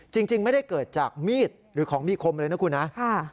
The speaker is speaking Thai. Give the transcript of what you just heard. จริงไม่ได้เกิดจากมีดหรือของมีคมเลยนะคุณนะ